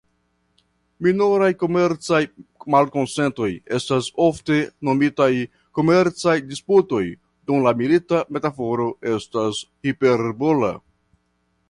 Minoraj komercaj malkonsentoj estas ofte nomitaj "komercaj disputoj" dum la milita metaforo estas hiperbola.